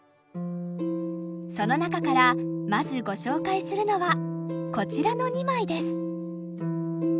その中からまずご紹介するのはこちらの２枚です。